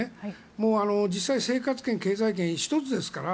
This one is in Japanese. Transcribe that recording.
もう実際、生活圏、経済圏は１つですから。